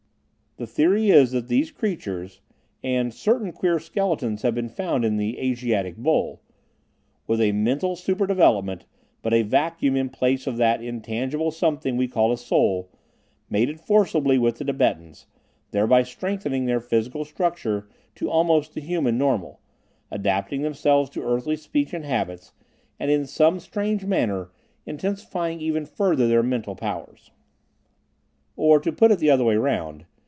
The theory is that these creatures (and certain queer skeletons have been found in the "Asiatic Bowl") with a mental superdevelopment, but a vacuum in place of that intangible something we call a soul, mated forcibly with the Tibetans, thereby strengthening their physical structure to almost the human normal, adapting themselves to earthly speech and habits, and in some strange manner intensifying even further their mental powers. Or, to put it the other way around.